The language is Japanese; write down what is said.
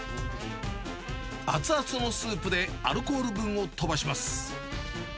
熱々のスープでアルコール分を飛ばします。